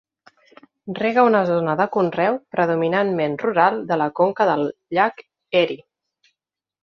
Rega una zona de conreu predominantment rural de la conca del llac Erie.